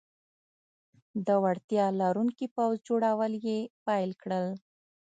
د وړتیا لرونکي پوځ جوړول یې پیل کړل.